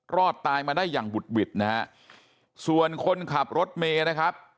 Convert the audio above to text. รอดตายมาได้อย่างบุดหวิดนะฮะส่วนคนขับรถเมย์นะครับ